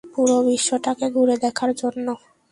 পুরো বিশ্বটাকে ঘুরে দেখার জন্য।